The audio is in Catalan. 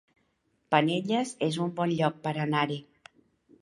Penelles es un bon lloc per anar-hi